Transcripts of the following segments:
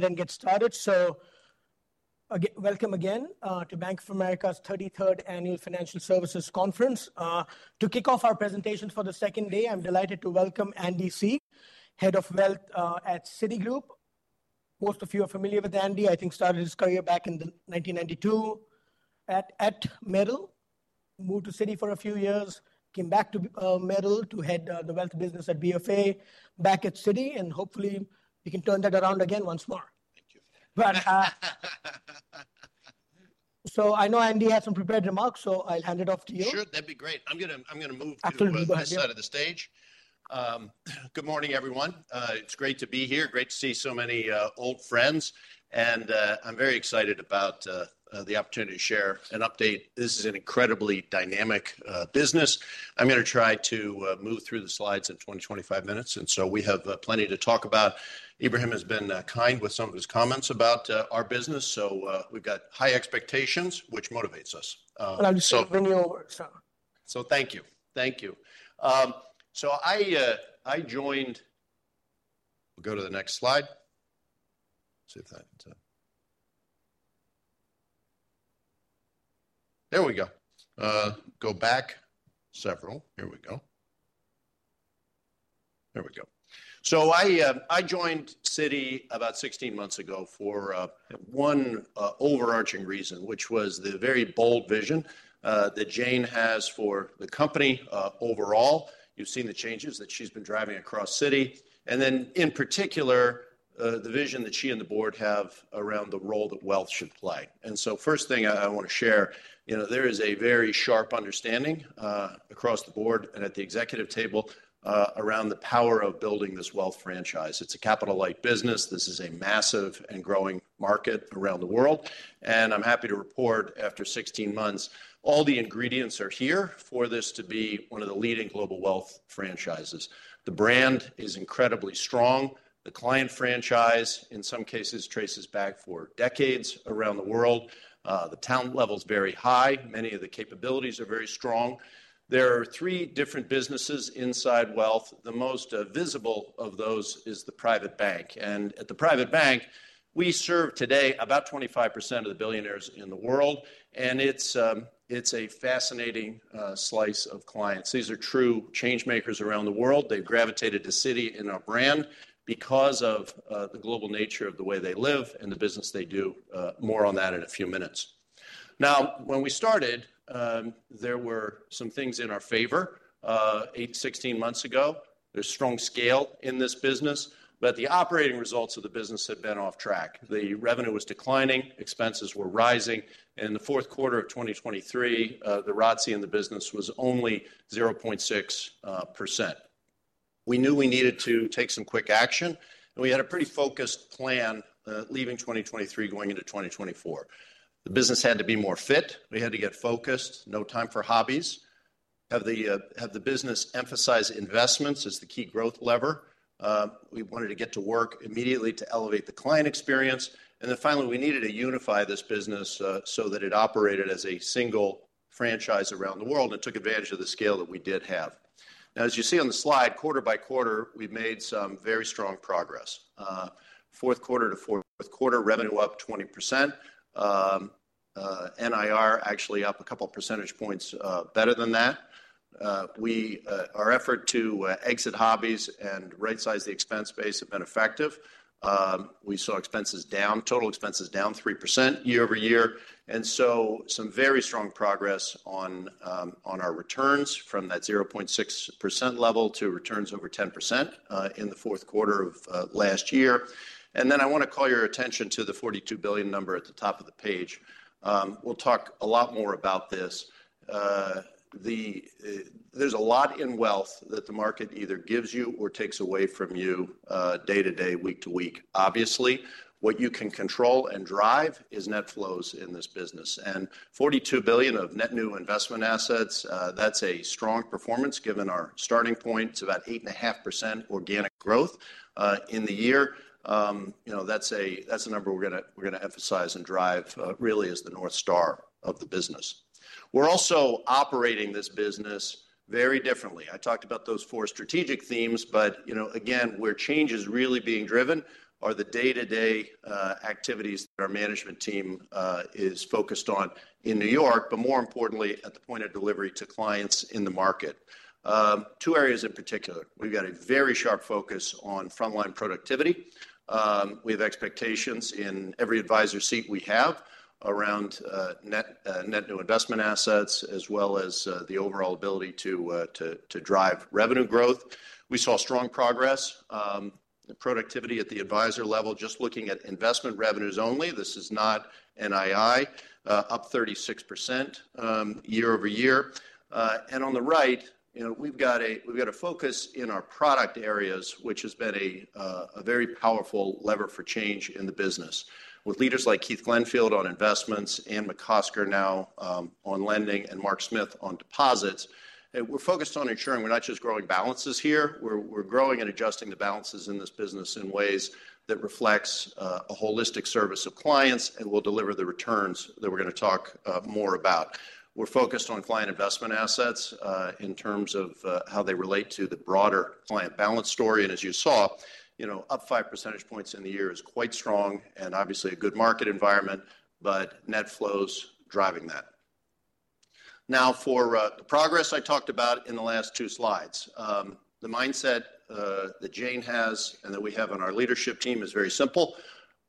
Get started. So welcome again to Bank of America's 33rd Annual Financial Services Conference. To kick off our presentations for the second day, I'm delighted to welcome Andy Sieg, Head of Wealth at Citigroup. Most of you are familiar with Andy. I think he started his career back in 1992 at Merrill, moved to Citi for a few years, came back to Merrill to head the wealth business at BofA, back at Citi, and hopefully we can turn that around again once more. Thank you. So I know Andy has some prepared remarks, so I'll hand it off to you. Sure, that'd be great. I'm going to move to the other side of the stage. Good morning, everyone. It's great to be here. Great to see so many old friends. And I'm very excited about the opportunity to share an update. This is an incredibly dynamic business. I'm going to try to move through the slides in 20, 25 minutes. And so we have plenty to talk about. Ibrahim has been kind with some of his comments about our business. So we've got high expectations, which motivates us. I'll just give you over. Thank you. So I joined Citi about 16 months ago for one overarching reason, which was the very bold vision that Jane has for the company overall. You've seen the changes that she's been driving across Citi. And then in particular, the vision that she and the board have around the role that wealth should play. And so first thing I want to share, there is a very sharp understanding across the board and at the executive table around the power of building this wealth franchise. It's a capital-like business. This is a massive and growing market around the world. I'm happy to report after 16 months, all the ingredients are here for this to be one of the leading global wealth franchises. The brand is incredibly strong. The client franchise, in some cases, traces back for decades around the world. The talent level is very high. Many of the capabilities are very strong. There are three different businesses inside wealth. The most visible of those is the private bank. And at the private bank, we serve today about 25% of the billionaires in the world. And it's a fascinating slice of clients. These are true change makers around the world. They've gravitated to Citi and our brand because of the global nature of the way they live and the business they do. More on that in a few minutes. Now, when we started, there were some things in our favor 16 months ago. There's strong scale in this business, but the operating results of the business had been off track. The revenue was declining, expenses were rising, and in the fourth quarter of 2023, the ROTCE in the business was only 0.6%. We knew we needed to take some quick action, and we had a pretty focused plan leaving 2023, going into 2024. The business had to be more fit. We had to get focused. No time for hobbies. Have the business emphasize investments as the key growth lever. We wanted to get to work immediately to elevate the client experience, and then finally, we needed to unify this business so that it operated as a single franchise around the world and took advantage of the scale that we did have. Now, as you see on the slide, quarter by quarter, we've made some very strong progress. Fourth quarter to fourth quarter, revenue up 20%. NII actually up a couple of percentage points better than that. Our efforts to exit non-core consumer banking franchises and right-size the expense base have been effective. We saw total expenses down 3% year over year. And so some very strong progress on our returns from that 0.6% level to returns over 10% in the fourth quarter of last year. And then I want to call your attention to the $42 billion number at the top of the page. We'll talk a lot more about this. There's a lot in wealth that the market either gives you or takes away from you day to day, week to week. Obviously, what you can control and drive is net flows in this business. And $42 billion of net new investment assets, that's a strong performance given our starting point. It's about 8.5% organic growth in the year. That's a number we're going to emphasize and drive really as the north star of the business. We're also operating this business very differently. I talked about those four strategic themes, but again, where change is really being driven are the day-to-day activities that our management team is focused on in New York, but more importantly, at the point of delivery to clients in the market. Two areas in particular. We've got a very sharp focus on frontline productivity. We have expectations in every advisor seat we have around net new investment assets, as well as the overall ability to drive revenue growth. We saw strong progress. Productivity at the advisor level, just looking at investment revenues only, this is not NII, up 36% year over year. On the right, we've got a focus in our product areas, which has been a very powerful lever for change in the business. With leaders like Keith Glenfield on investments, Ann McCosker now on lending, and Mark Smith on deposits. We're focused on ensuring we're not just growing balances here. We're growing and adjusting the balances in this business in ways that reflect a holistic service of clients and will deliver the returns that we're going to talk more about. We're focused on client investment assets in terms of how they relate to the broader client balance story. As you saw, up five percentage points in the year is quite strong and obviously a good market environment, but net flows driving that. Now, for the progress I talked about in the last two slides, the mindset that Jane has and that we have on our leadership team is very simple.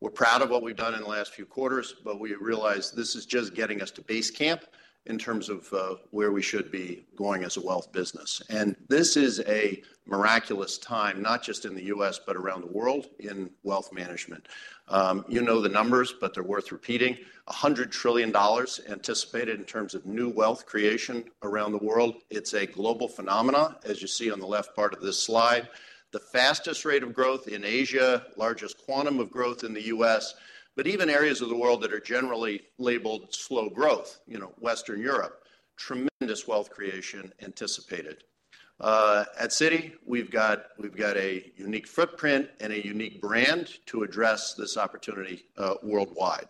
We're proud of what we've done in the last few quarters, but we realize this is just getting us to base camp in terms of where we should be going as a wealth business. And this is a miraculous time, not just in the U.S., but around the world in wealth management. You know the numbers, but they're worth repeating. $100 trillion anticipated in terms of new wealth creation around the world. It's a global phenomenon, as you see on the left part of this slide. The fastest rate of growth in Asia, largest quantum of growth in the U.S., but even areas of the world that are generally labeled slow growth, Western Europe, tremendous wealth creation anticipated. At Citi, we've got a unique footprint and a unique brand to address this opportunity worldwide.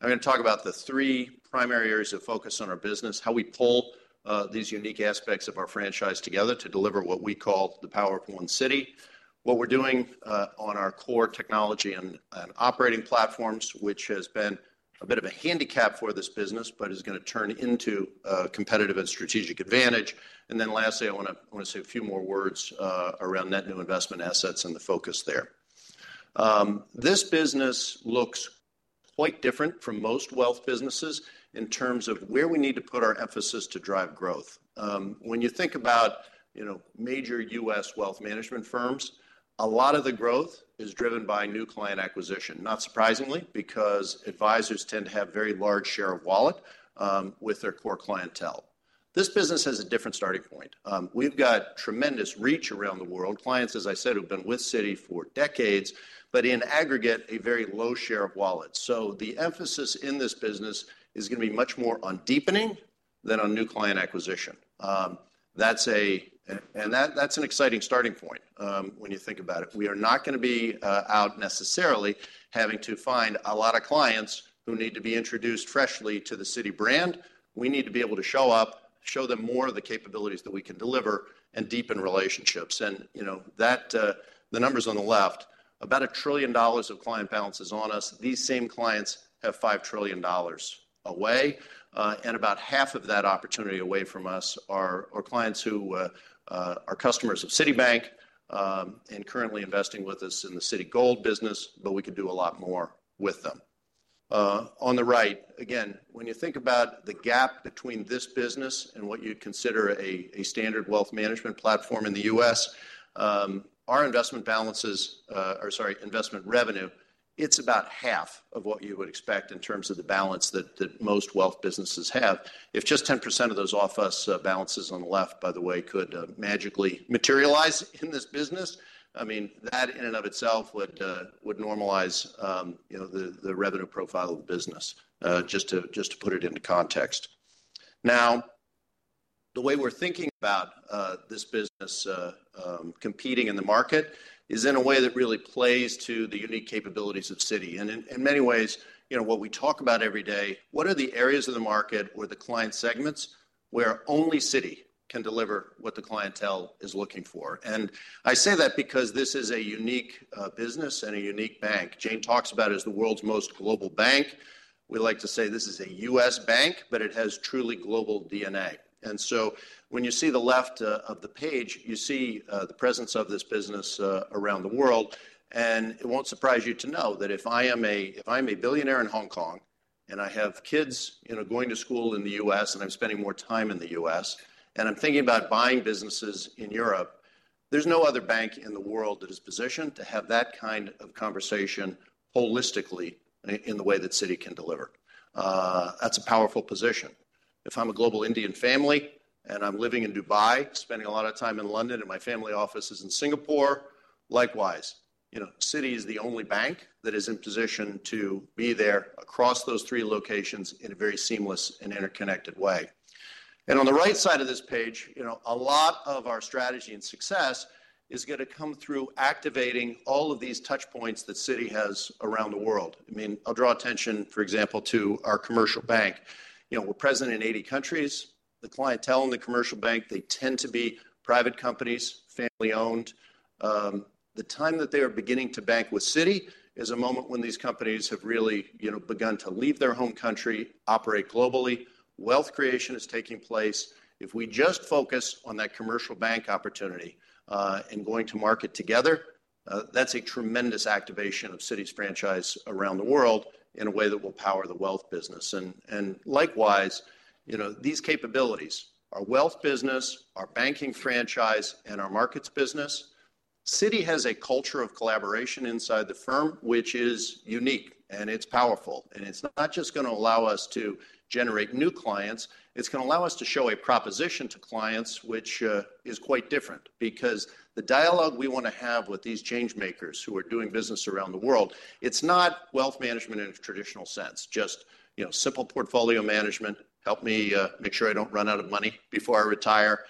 I'm going to talk about the three primary areas of focus on our business, how we pull these unique aspects of our franchise together to deliver what we call the power of one Citi. What we're doing on our core technology and operating platforms, which has been a bit of a handicap for this business, but is going to turn into a competitive and strategic advantage. And then lastly, I want to say a few more words around net new investment assets and the focus there. This business looks quite different from most wealth businesses in terms of where we need to put our emphasis to drive growth. When you think about major U.S., wealth management firms, a lot of the growth is driven by new client acquisition, not surprisingly, because advisors tend to have a very large share of wallet with their core clientele. This business has a different starting point. We've got tremendous reach around the world. Clients, as I said, have been with Citi for decades, but in aggregate, a very low share of wallet. So the emphasis in this business is going to be much more on deepening than on new client acquisition, and that's an exciting starting point when you think about it. We are not going to be out necessarily having to find a lot of clients who need to be introduced freshly to the Citi brand. We need to be able to show up, show them more of the capabilities that we can deliver, and deepen relationships. The numbers on the left, about $1 trillion of client balances on us. These same clients have $5 trillion away. About half of that opportunity away from us are clients who are customers of Citibank and currently investing with us in the Citigold business, but we could do a lot more with them. On the right, again, when you think about the gap between this business and what you'd consider a standard wealth management platform in the U.S., our investment balances or, sorry, investment revenue, it's about half of what you would expect in terms of the balance that most wealth businesses have. If just 10% of those off-us balances on the left, by the way, could magically materialize in this business, I mean, that in and of itself would normalize the revenue profile of the business, just to put it into context. Now, the way we're thinking about this business competing in the market is in a way that really plays to the unique capabilities of Citi. And in many ways, what we talk about every day, what are the areas of the market or the client segments where only Citi can deliver what the clientele is looking for? And I say that because this is a unique business and a unique bank. Jane talks about it as the world's most global bank. We like to say this is a U.S., bank, but it has truly global DNA. And so when you see the left of the page, you see the presence of this business around the world. It won't surprise you to know that if I am a billionaire in Hong Kong and I have kids going to school in the U.S., and I'm spending more time in the U.S., and I'm thinking about buying businesses in Europe, there's no other bank in the world that is positioned to have that kind of conversation holistically in the way that Citi can deliver. That's a powerful position. If I'm a global Indian family and I'm living in Dubai, spending a lot of time in London and my family office is in Singapore, likewise, Citi is the only bank that is in position to be there across those three locations in a very seamless and interconnected way. And on the right side of this page, a lot of our strategy and success is going to come through activating all of these touch points that Citi has around the world. I mean, I'll draw attention, for example, to our commercial bank. We're present in 80 countries. The clientele in the commercial bank, they tend to be private companies, family-owned. The time that they are beginning to bank with Citi is a moment when these companies have really begun to leave their home country, operate globally. Wealth creation is taking place. If we just focus on that commercial bank opportunity and going to market together, that's a tremendous activation of Citi's franchise around the world in a way that will power the wealth business. Likewise, these capabilities, our wealth business, our banking franchise, and our markets business, Citi has a culture of collaboration inside the firm, which is unique and it's powerful. And it's not just going to allow us to generate new clients. It's going to allow us to show a proposition to clients, which is quite different because the dialogue we want to have with these change makers who are doing business around the world, it's not wealth management in a traditional sense, just simple portfolio management, help me make sure I don't run out of money before I retire.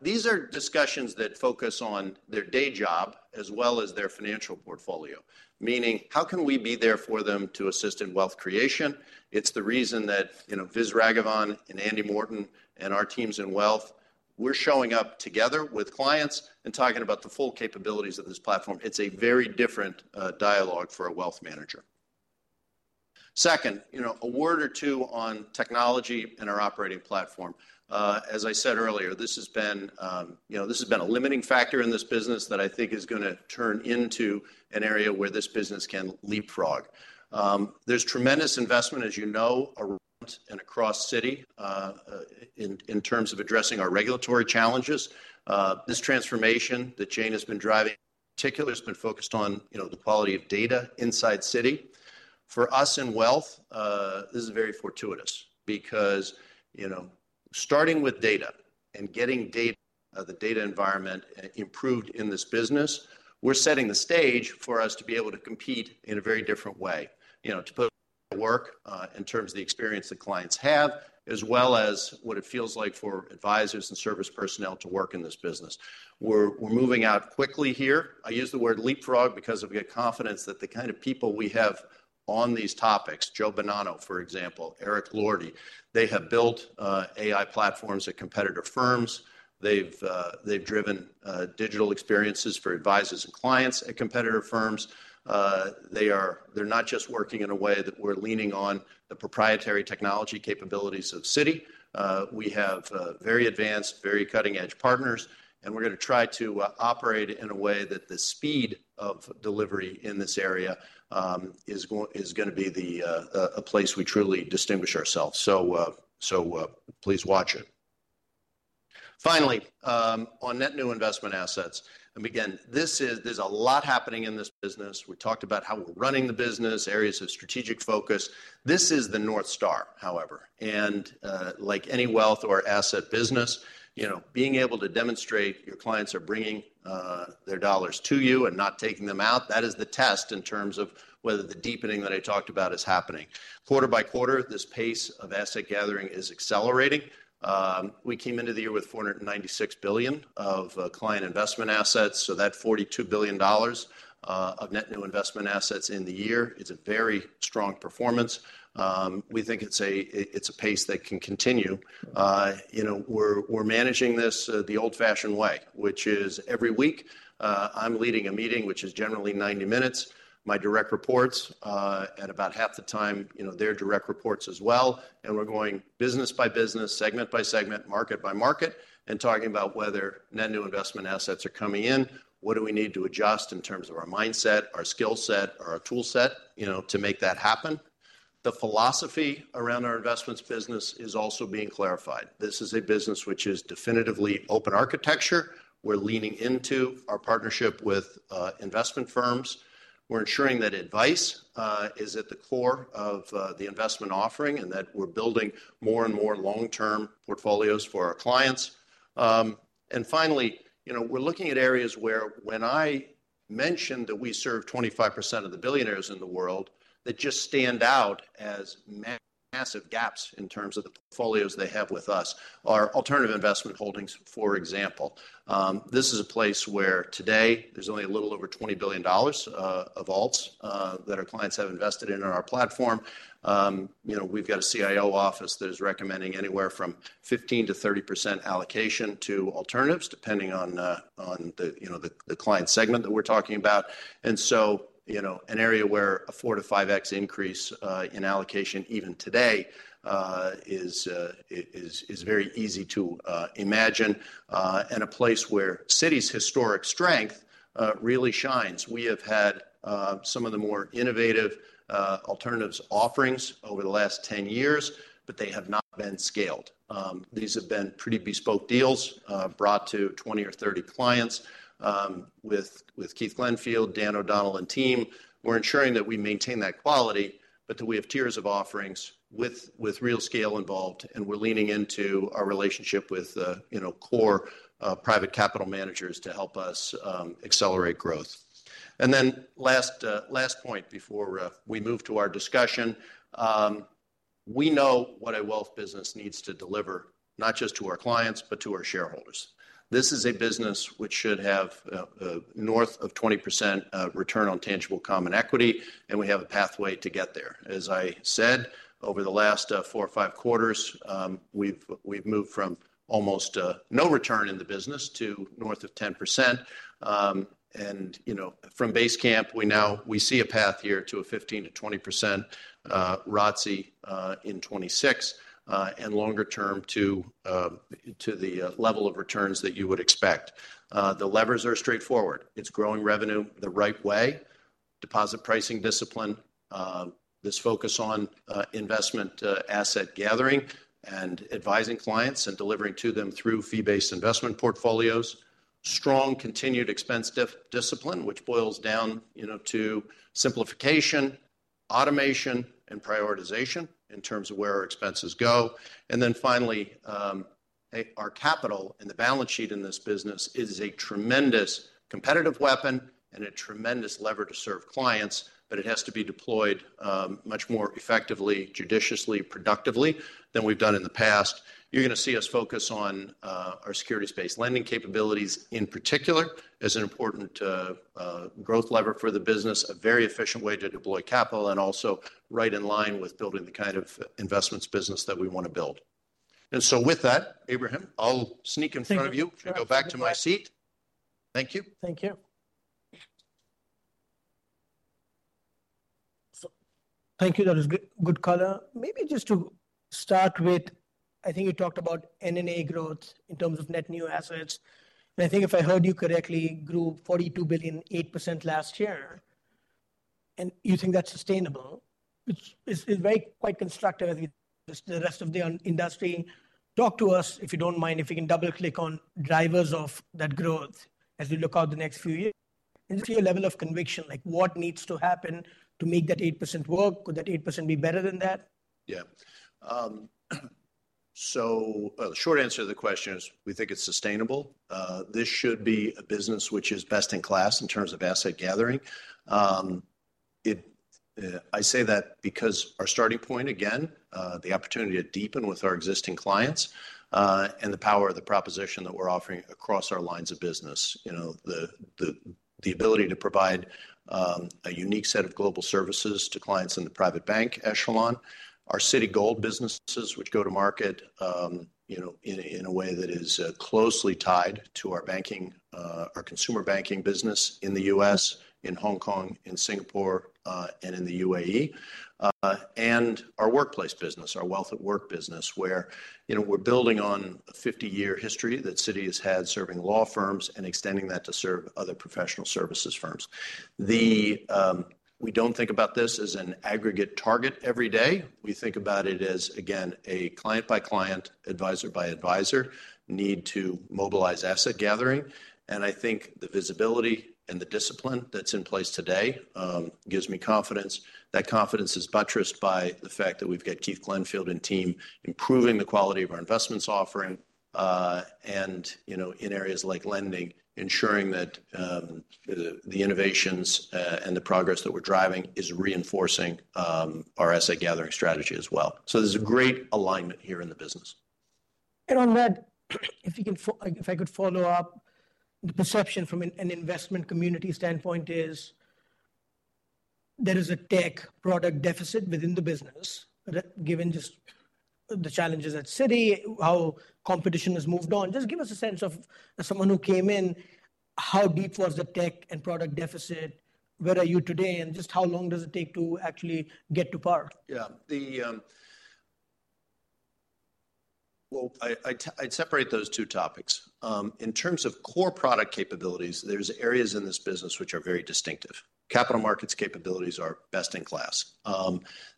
These are discussions that focus on their day job as well as their financial portfolio, meaning how can we be there for them to assist in wealth creation. It's the reason that Vis Raghavan and Andy Morton and our teams in wealth, we're showing up together with clients and talking about the full capabilities of this platform. It's a very different dialogue for a wealth manager. Second, a word or two on technology and our operating platform. As I said earlier, this has been a limiting factor in this business that I think is going to turn into an area where this business can leapfrog. There's tremendous investment, as you know, around and across Citi in terms of addressing our regulatory challenges. This transformation that Jane has been driving, particularly has been focused on the quality of data inside Citi. For us in wealth, this is very fortuitous because starting with data and getting data, the data environment improved in this business. We're setting the stage for us to be able to compete in a very different way, to put work in terms of the experience that clients have, as well as what it feels like for advisors and service personnel to work in this business. We're moving out quickly here. I use the word leapfrog because we have confidence that the kind of people we have on these topics, Joe Bonanno, for example, Eric Lordi, they have built AI platforms at competitor firms. They've driven digital experiences for advisors and clients at competitor firms. They're not just working in a way that we're leaning on the proprietary technology capabilities of Citi. We have very advanced, very cutting-edge partners, and we're going to try to operate in a way that the speed of delivery in this area is going to be a place we truly distinguish ourselves. So please watch it. Finally, on net new investment assets, and again, there's a lot happening in this business. We talked about how we're running the business, areas of strategic focus. This is the north star, however. And like any wealth or asset business, being able to demonstrate your clients are bringing their dollars to you and not taking them out, that is the test in terms of whether the deepening that I talked about is happening. Quarter by quarter, this pace of asset gathering is accelerating. We came into the year with $496 billion of client investment assets. That $42 billion of net new investment assets in the year is a very strong performance. We think it's a pace that can continue. We're managing this the old-fashioned way, which is every week I'm leading a meeting, which is generally 90 minutes, my direct reports at about half the time, their direct reports as well. And we're going business by business, segment by segment, market by market, and talking about whether net new investment assets are coming in, what do we need to adjust in terms of our mindset, our skill set, or our toolset to make that happen. The philosophy around our investments business is also being clarified. This is a business which is definitively open architecture. We're leaning into our partnership with investment firms. We're ensuring that advice is at the core of the investment offering and that we're building more and more long-term portfolios for our clients. And finally, we're looking at areas where when I mentioned that we serve 25% of the billionaires in the world, that just stand out as massive gaps in terms of the portfolios they have with us, our alternative investment holdings, for example. This is a place where today there's only a little over $20 billion of alts that our clients have invested in our platform. We've got a CIO office that is recommending anywhere from 15%-30% allocation to alternatives, depending on the client segment that we're talking about. And so an area where a 4- to 5X increase in allocation even today is very easy to imagine and a place where Citi's historic strength really shines. We have had some of the more innovative alternatives offerings over the last 10 years, but they have not been scaled. These have been pretty bespoke deals brought to 20 or 30 clients with Keith Glenfield, Dan O'Donnell, and team. We are ensuring that we maintain that quality, but that we have tiers of offerings with real scale involved, and we are leaning into our relationship with core private capital managers to help us accelerate growth. Then last point before we move to our discussion: we know what a wealth business needs to deliver, not just to our clients, but to our shareholders. This is a business which should have north of 20% return on tangible common equity, and we have a pathway to get there. As I said, over the last four or five quarters, we have moved from almost no return in the business to north of 10%. From base camp, we see a path here to 15%-20% ROTCE in 2026, and longer term to the level of returns that you would expect. The levers are straightforward. It's growing revenue the right way, deposit pricing discipline, this focus on investment asset gathering and advising clients and delivering to them through fee-based investment portfolios, strong continued expense discipline, which boils down to simplification, automation, and prioritization in terms of where our expenses go. And then finally, our capital and the balance sheet in this business is a tremendous competitive weapon and a tremendous lever to serve clients, but it has to be deployed much more effectively, judiciously, productively than we've done in the past. You're going to see us focus on our securities-based lending capabilities in particular as an important growth lever for the business, a very efficient way to deploy capital, and also right in line with building the kind of investments business that we want to build. With that, Ebrahim, I'll sneak in front of you and go back to my seat. Thank you. Thank you. Thank you. That is good color. Maybe just to start with, I think you talked about NNA growth in terms of net new assets. And I think if I heard you correctly, grew $42 billion, 8% last year. You think that's sustainable, which is quite constructive as the rest of the industry. Talk to us, if you don't mind, if you can double-click on drivers of that growth as we look out the next few years. Is it your level of conviction? What needs to happen to make that 8% work? Could that 8% be better than that? Yeah. So the short answer to the question is we think it's sustainable. This should be a business which is best in class in terms of asset gathering. I say that because our starting point, again, the opportunity to deepen with our existing clients and the power of the proposition that we're offering across our lines of business, the ability to provide a unique set of global services to clients in the private bank echelon, our Citigold businesses, which go to market in a way that is closely tied to our consumer banking business in the U.S., in Hong Kong, in Singapore, and in the UAE, and our workplace business, our Wealth at Work business, where we're building on a 50-year history that Citi has had serving law firms and extending that to serve other professional services firms. We don't think about this as an aggregate target every day. We think about it as, again, a client-by-client, advisor-by-advisor need to mobilize asset gathering. I think the visibility and the discipline that's in place today gives me confidence. That confidence is buttressed by the fact that we've got Keith Glenfield and team improving the quality of our investments offering. In areas like lending, ensuring that the innovations and the progress that we're driving is reinforcing our asset gathering strategy as well. There's a great alignment here in the business. On that, if I could follow up, the perception from an investment community standpoint is there is a tech product deficit within the business, given just the challenges at Citi, how competition has moved on. Just give us a sense of, as someone who came in, how deep was the tech and product deficit? Where are you today? And just how long does it take to actually get to par? Yeah. I'd separate those two topics. In terms of core product capabilities, there's areas in this business which are very distinctive. Capital markets capabilities are best in class.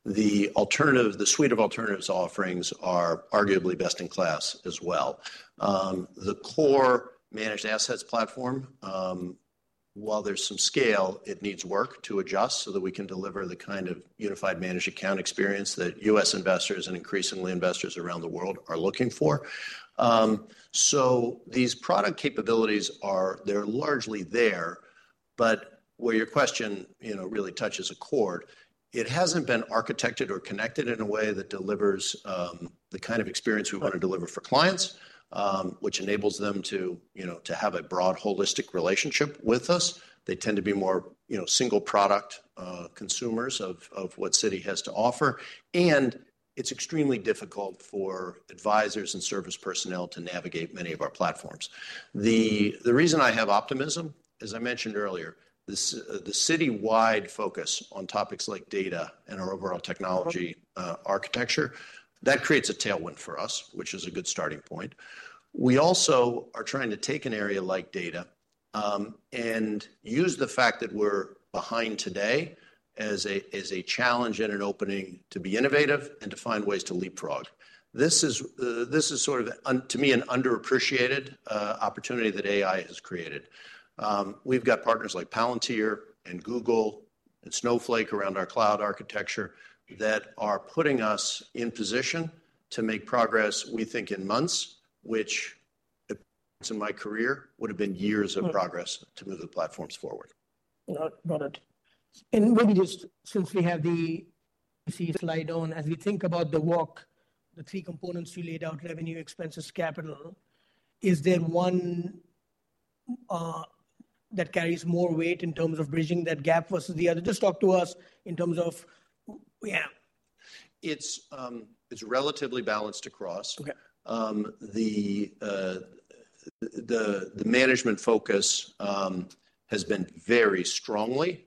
The suite of alternatives offerings are arguably best in class as well. The core managed assets platform, while there's some scale, it needs work to adjust so that we can deliver the kind of unified managed account experience that U.S., investors and increasingly investors around the world are looking for, so these product capabilities, they're largely there, but where your question really touches a chord, it hasn't been architected or connected in a way that delivers the kind of experience we want to deliver for clients, which enables them to have a broad, holistic relationship with us. They tend to be more single product consumers of what Citi has to offer, and it's extremely difficult for advisors and service personnel to navigate many of our platforms. The reason I have optimism, as I mentioned earlier, the Citi-wide focus on topics like data and our overall technology architecture, that creates a tailwind for us, which is a good starting point. We also are trying to take an area like data and use the fact that we're behind today as a challenge and an opening to be innovative and to find ways to leapfrog. This is sort of, to me, an underappreciated opportunity that AI has created. We've got partners like Palantir and Google and Snowflake around our cloud architecture that are putting us in position to make progress, we think, in months, which in my career would have been years of progress to move the platforms forward. Got it. Maybe just since we have the slide on, as we think about the work, the three components you laid out, revenue, expenses, capital, is there one that carries more weight in terms of bridging that gap versus the other? Just talk to us in terms of, yeah. It's relatively balanced across. The management focus has been very strongly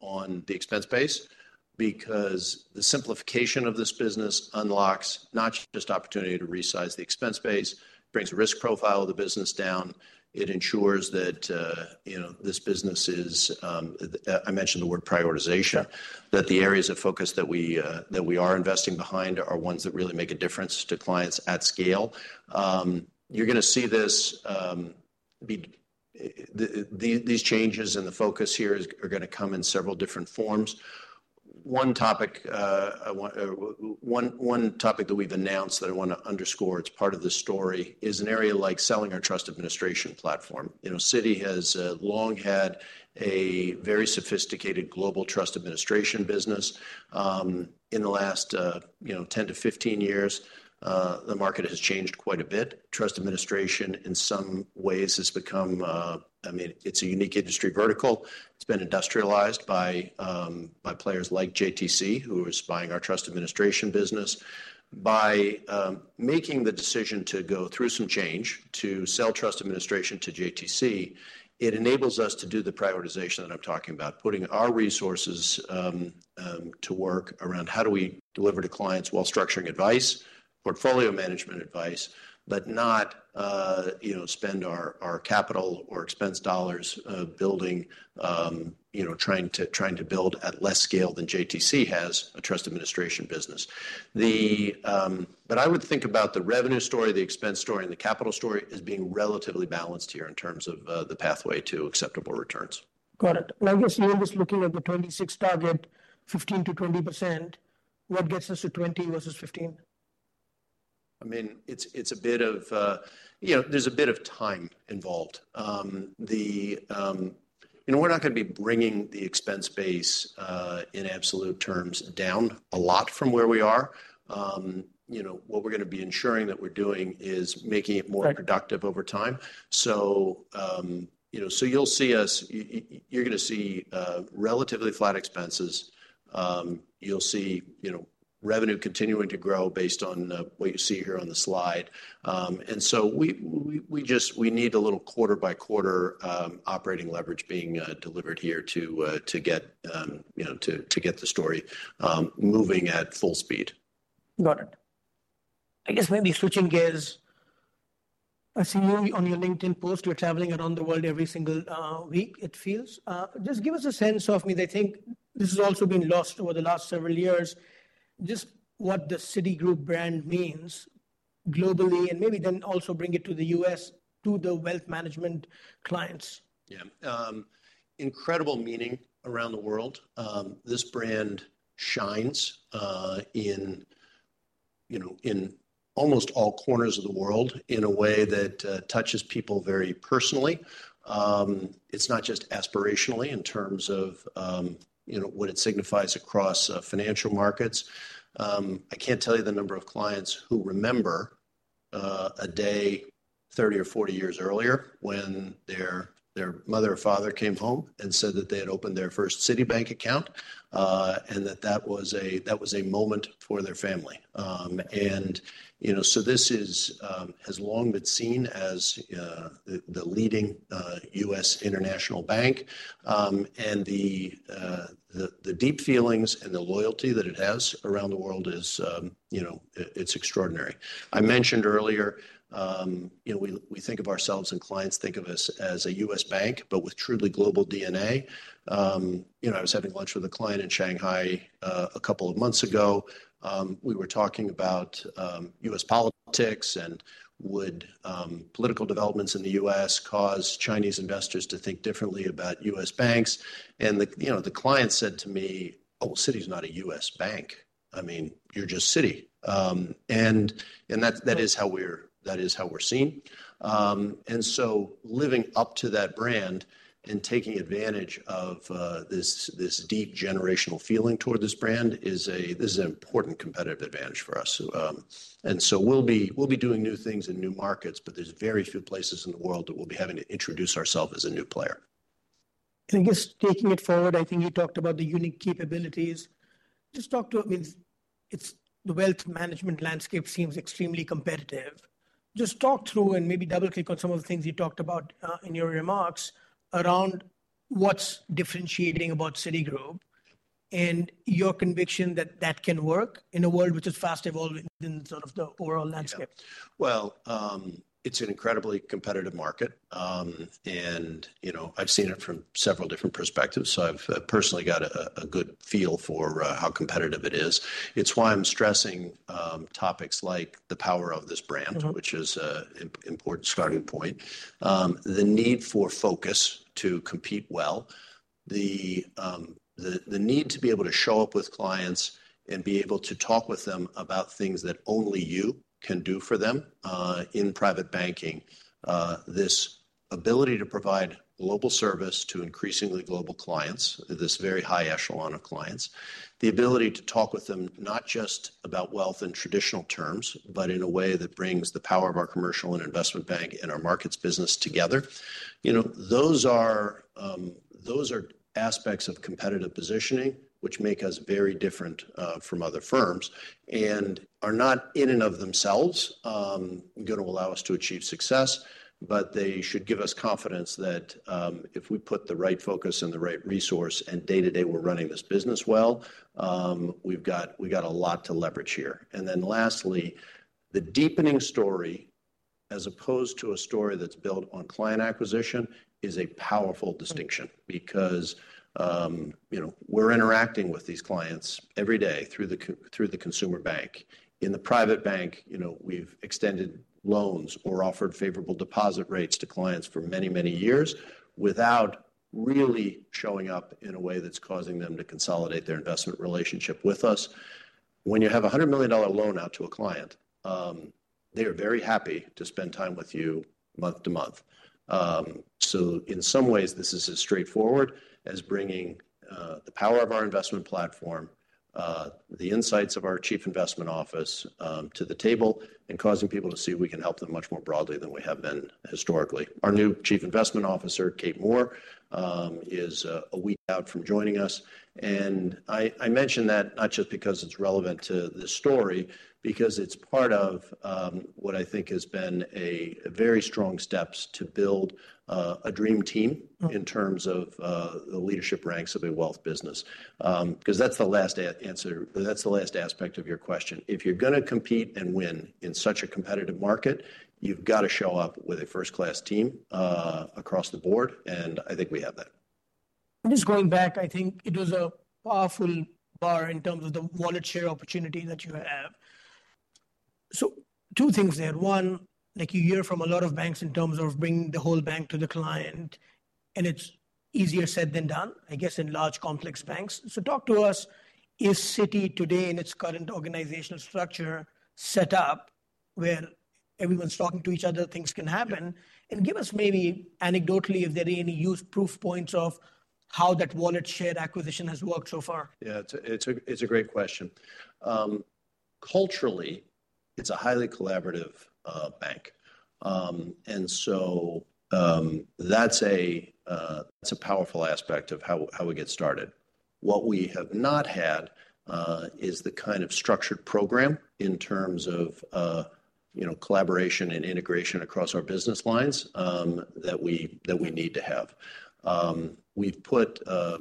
on the expense base because the simplification of this business unlocks not just opportunity to resize the expense base, brings the risk profile of the business down. It ensures that this business is, I mentioned the word prioritization, that the areas of focus that we are investing behind are ones that really make a difference to clients at scale. You're going to see these changes and the focus here are going to come in several different forms. One topic that we've announced that I want to underscore as part of the story is an area like selling our trust administration platform. Citi has long had a very sophisticated global trust administration business. In the last 10 to 15 years, the market has changed quite a bit. Trust administration in some ways has become, I mean, it's a unique industry vertical. It's been industrialized by players like JTC, who is buying our trust administration business. By making the decision to go through some change to sell trust administration to JTC, it enables us to do the prioritization that I'm talking about, putting our resources to work around how do we deliver to clients while structuring advice, portfolio management advice, but not spend our capital or expense dollars trying to build at less scale than JTC has a trust administration business. But I would think about the revenue story, the expense story, and the capital story as being relatively balanced here in terms of the pathway to acceptable returns. Got it. And I guess you're just looking at the 26 target, 15%-20%. What gets us to 20 versus 15? I mean, it's a bit of, there's a bit of time involved. We're not going to be bringing the expense base in absolute terms down a lot from where we are. What we're going to be ensuring that we're doing is making it more productive over time. So you'll see us, you're going to see relatively flat expenses. You'll see revenue continuing to grow based on what you see here on the slide. And so we need a little quarter-by-quarter operating leverage being delivered here to get the story moving at full speed. Got it. I guess maybe switching gears. I see on your LinkedIn post, you're traveling around the world every single week, it feels. Just give us a sense of, I mean, I think this has also been lost over the last several years, just what the Citigroup brand means globally, and maybe then also bring it to the U.S., to the wealth management clients. Yeah. Incredible meaning around the world. This brand shines in almost all corners of the world in a way that touches people very personally. It's not just aspirationally in terms of what it signifies across financial markets. I can't tell you the number of clients who remember a day 30 or 40 years earlier when their mother or father came home and said that they had opened their first Citibank account and that that was a moment for their family. And so this has long been seen as the leading U.S., international bank. And the deep feelings and the loyalty that it has around the world, it's extraordinary. I mentioned earlier, we think of ourselves and clients think of us as a U.S., bank, but with truly global DNA. I was having lunch with a client in Shanghai a couple of months ago. We were talking about U.S., politics and would political developments in the U.S., cause Chinese investors to think differently about U.S., banks? And the client said to me, "Oh, Citi is not a U.S,. bank. I mean, you're just Citi." And that is how we're seen. And so living up to that brand and taking advantage of this deep generational feeling toward this brand, this is an important competitive advantage for us. We'll be doing new things in new markets, but there's very few places in the world that we'll be having to introduce ourselves as a new player. I guess taking it forward, I think you talked about the unique capabilities. Just talk to, I mean, the wealth management landscape seems extremely competitive. Just talk through and maybe double-click on some of the things you talked about in your remarks around what's differentiating about Citigroup and your conviction that that can work in a world which is fast evolving within sort of the overall landscape. It's an incredibly competitive market. I've seen it from several different perspectives. I've personally got a good feel for how competitive it is. It's why I'm stressing topics like the power of this brand, which is an important starting point. The need for focus to compete well. The need to be able to show up with clients and be able to talk with them about things that only you can do for them in private banking. This ability to provide global service to increasingly global clients, this very high echelon of clients. The ability to talk with them not just about wealth in traditional terms, but in a way that brings the power of our commercial and investment bank and our markets business together. Those are aspects of competitive positioning which make us very different from other firms and are not in and of themselves going to allow us to achieve success, but they should give us confidence that if we put the right focus and the right resource and day-to-day we're running this business well, we've got a lot to leverage here. And then lastly, the deepening story as opposed to a story that's built on client acquisition is a powerful distinction because we're interacting with these clients every day through the consumer bank. In the private bank, we've extended loans or offered favorable deposit rates to clients for many, many years without really showing up in a way that's causing them to consolidate their investment relationship with us. When you have a $100 million loan out to a client, they are very happy to spend time with you month to month. So in some ways, this is as straightforward as bringing the power of our investment platform, the insights of our Chief Investment Office to the table and causing people to see we can help them much more broadly than we have been historically. Our new Chief Investment Officer, Kate Moore, is a week out from joining us. I mentioned that not just because it's relevant to the story, because it's part of what I think has been very strong steps to build a dream team in terms of the leadership ranks of a wealth business. Because that's the last answer, that's the last aspect of your question. If you're going to compete and win in such a competitive market, you've got to show up with a first-class team across the board, and I think we have that. Just going back, I think it was a powerful bar in terms of the wallet share opportunity that you have. Two things there. One, like you hear from a lot of banks in terms of bringing the whole bank to the client, and it's easier said than done, I guess, in large complex banks. So talk to us, is Citi today in its current organizational structure set up where everyone's talking to each other, things can happen? And give us maybe anecdotally if there are any proof points of how that wallet share acquisition has worked so far. Yeah, it's a great question. Culturally, it's a highly collaborative bank. And so that's a powerful aspect of how we get started. What we have not had is the kind of structured program in terms of collaboration and integration across our business lines that we need to have. We've put a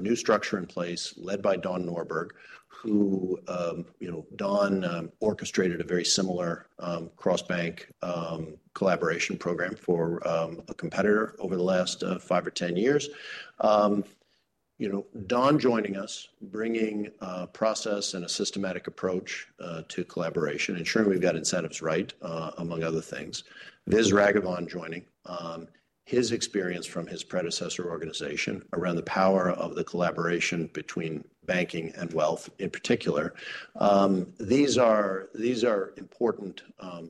new structure in place led by Dawn Nordberg, who Dawn orchestrated a very similar cross-bank collaboration program for a competitor over the last five or 10 years. Dawn joining us, bringing a process and a systematic approach to collaboration, ensuring we've got incentives right, among other things. Viswas Raghavan joining. His experience from his predecessor organization around the power of the collaboration between banking and wealth in particular. These are important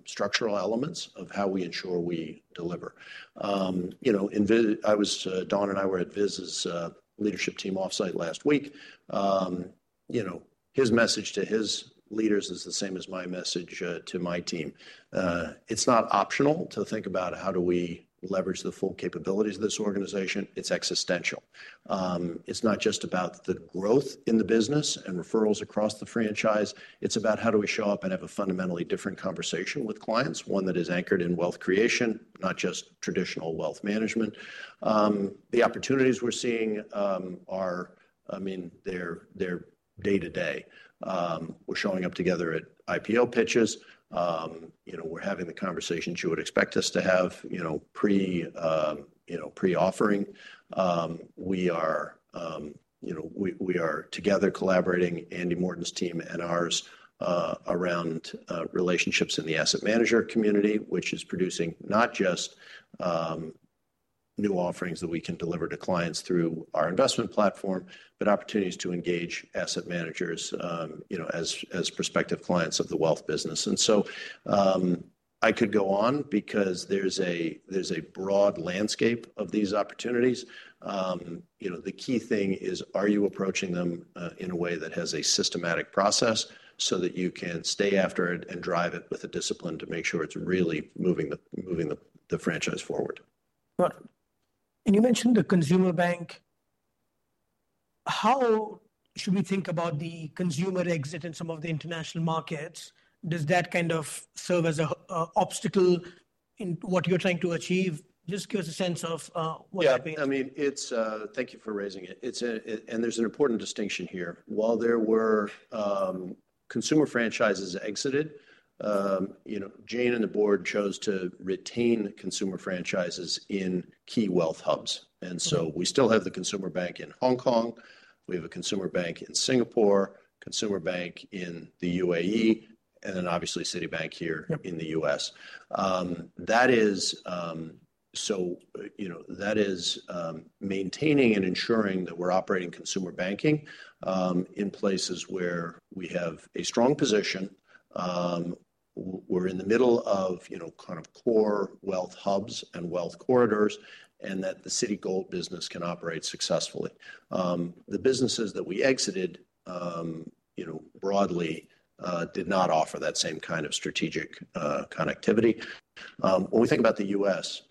structural elements of how we ensure we deliver. Dawn and I were at Vis's leadership team offsite last week. His message to his leaders is the same as my message to my team. It's not optional to think about how do we leverage the full capabilities of this organization. It's existential. It's not just about the growth in the business and referrals across the franchise. It's about how do we show up and have a fundamentally different conversation with clients, one that is anchored in wealth creation, not just traditional wealth management. The opportunities we're seeing are, I mean, they're day-to-day. We're showing up together at IPO pitches. We're having the conversations you would expect us to have pre-offering. We are together collaborating, Andy Morton's team and ours, around relationships in the asset manager community, which is producing not just new offerings that we can deliver to clients through our investment platform, but opportunities to engage asset managers as prospective clients of the wealth business, and so I could go on because there's a broad landscape of these opportunities. The key thing is, are you approaching them in a way that has a systematic process so that you can stay after it and drive it with a discipline to make sure it's really moving the franchise forward? Got it, and you mentioned the consumer bank. How should we think about the consumer exit in some of the international markets? Does that kind of serve as an obstacle in what you're trying to achieve? Just give us a sense of what's happening. Yeah. I mean, thank you for raising it. There's an important distinction here. While there were consumer franchises exited, Jane and the board chose to retain consumer franchises in key wealth hubs. We still have the consumer bank in Hong Kong. We have a consumer bank in Singapore, consumer bank in the UAE, and then obviously Citibank here in the U.S. That is maintaining and ensuring that we're operating consumer banking in places where we have a strong position. We're in the middle of kind of core wealth hubs and wealth corridors and that the Citigold business can operate successfully. The businesses that we exited broadly did not offer that same kind of strategic connectivity. When we think about the U.S.,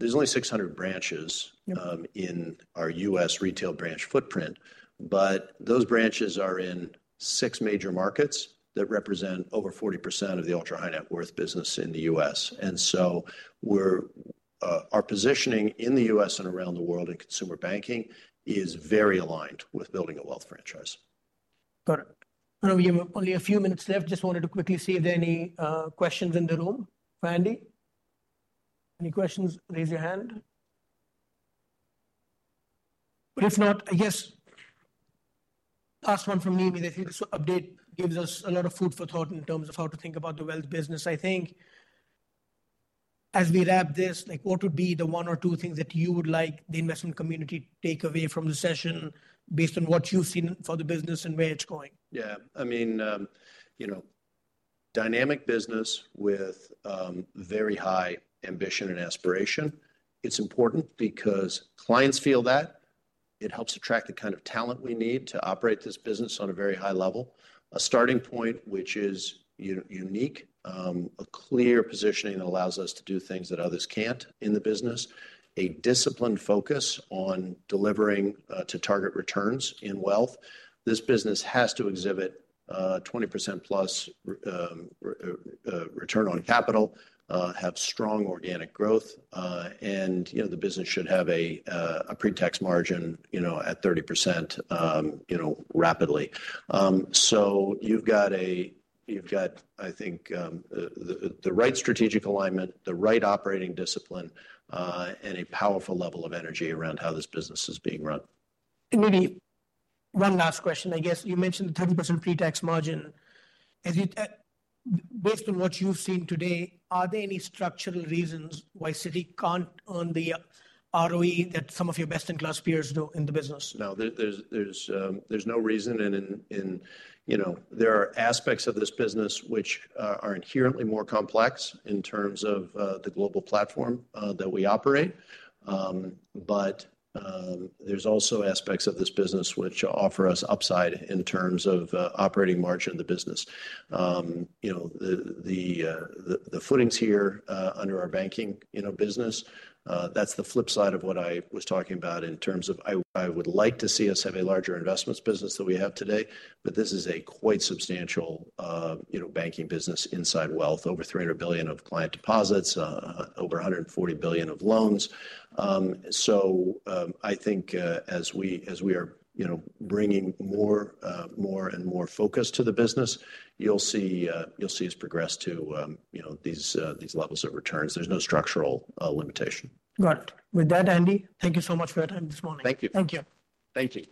there's only 600 branches in our U.S., retail branch footprint, but those branches are in six major markets that represent over 40% of the ultra-high net worth business in the U.S. And so our positioning in the U.S., and around the world in consumer banking is very aligned with building a wealth franchise. Got it. I know we have only a few minutes left. Just wanted to quickly see if there are any questions in the room. Randy? Any questions? Raise your hand. But if not, I guess last one from me, I mean, I think this update gives us a lot of food for thought in terms of how to think about the wealth business. I think as we wrap this, what would be the one or two things that you would like the investment community to take away from the session based on what you've seen for the business and where it's going? Yeah. I mean, dynamic business with very high ambition and aspiration. It's important because clients feel that. It helps attract the kind of talent we need to operate this business on a very high level. A starting point, which is unique, a clear positioning that allows us to do things that others can't in the business. A disciplined focus on delivering to target returns in wealth. This business has to exhibit 20% plus return on capital, have strong organic growth, and the business should have a pre-tax margin at 30% rapidly. So you've got, I think, the right strategic alignment, the right operating discipline, and a powerful level of energy around how this business is being run. And maybe one last question. I guess you mentioned the 30% pre-tax margin. Based on what you've seen today, are there any structural reasons why Citi can't earn the ROE that some of your best-in-class peers do in the business? No, there's no reason. There are aspects of this business which are inherently more complex in terms of the global platform that we operate. But there's also aspects of this business which offer us upside in terms of operating margin of the business. The footings here under our banking business, that's the flip side of what I was talking about in terms of I would like to see us have a larger investments business than we have today, but this is a quite substantial banking business inside wealth, over $300 billion of client deposits, over $140 billion of loans. So I think as we are bringing more and more focus to the business, you'll see us progress to these levels of returns. There's no structural limitation. Got it. With that, Andy, thank you so much for your time this morning. Thank you. Thank you. Thank you.